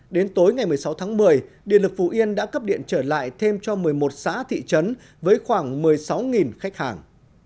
đến tối ngày một mươi sáu tháng một mươi điện lực phú yên đã cấp điện trở lại thêm cho một mươi một xã thị trấn với khoảng một mươi sáu khách hàng